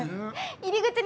入り口に。